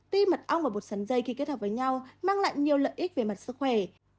tuy mật ong và bột sắn dây khi kết hợp với nhau mang lại nhiều lợi ích về mặt sức khỏe